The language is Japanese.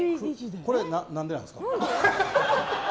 これは何でなんですか？